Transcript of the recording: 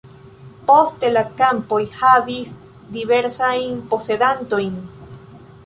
Poste la kampoj havis diversajn posedantojn.